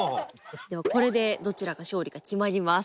ではこれでどちらが勝利か決まります。